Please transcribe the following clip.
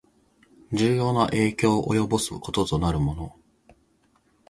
重要な影響を及ぼすこととなるもの